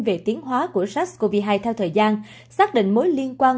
về tiến hóa của sars cov hai theo thời gian xác định mối liên quan